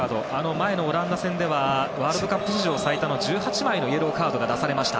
前のオランダ戦ではワールドカップ史上最多の１８枚のイエローカードが出されました。